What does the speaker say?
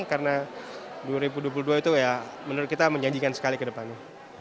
karena dua ribu dua puluh dua itu ya menurut kita menjanjikan sekali ke depannya